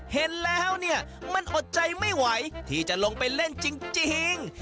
เห็นแล้วเนี่ยมันอดใจไม่ไหวที่จะลงไปเล่นจริง